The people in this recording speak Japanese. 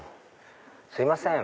すいません